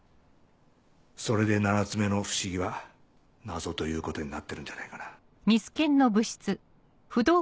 それで７つ目の不思議は謎ということになってるんじゃないかな。